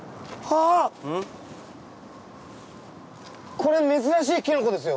これ珍しいキノコですよ。